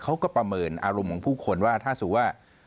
เขาก็ประเมินอารมณ์ของผู้คนว่าถ้าสิว่า